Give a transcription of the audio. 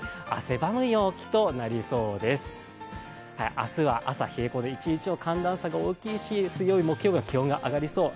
明日は朝冷え込んで、寒暖差が大きいし、水曜、木曜日は気温が上がりそう。